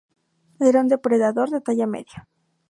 Era un depredador de talla media.